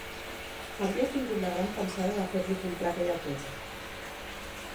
Havia tingut la gran pensada de fer-li comprar aquella torre